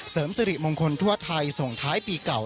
เสริมสิริมงคลทั่วไทยส่งท้ายปีเก่า